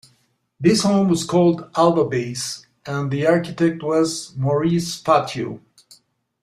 This home was called "Alva Base" and the architect was Maurice Fatio.